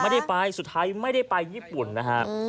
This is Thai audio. ไม่ได้ไปสุดท้ายไม่ได้ไปญี่ปุ่นนะฮะ